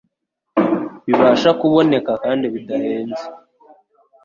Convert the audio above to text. bibasha kuboneka kandi bidahenze,